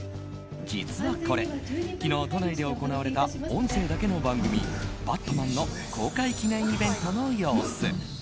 実はこれ、昨日都内で行われた音声だけの番組「ＢＡＴＭＡＮ」の公開記念イベントの様子。